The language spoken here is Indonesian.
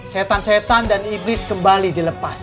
setan setan dan iblis kembali dilepas